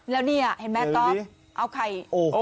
แล้วเนี้ยเห็นไหมก๊อฟต์โอ้โห